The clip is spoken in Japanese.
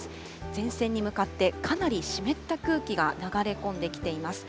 前線に向かってかなり湿った空気が流れ込んできています。